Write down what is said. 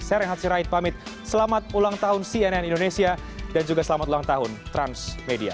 saya rehat sirait pamit selamat ulang tahun cnn indonesia dan juga selamat ulang tahun transmedia